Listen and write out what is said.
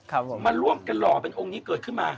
มาร่วมกันหล่อเป็นองค์นี้เกิดขึ้นมา